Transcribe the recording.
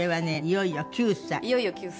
「いよいよ９才」。